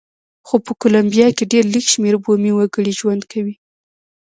خو په کولمبیا کې ډېر لږ شمېر بومي وګړي ژوند کوي.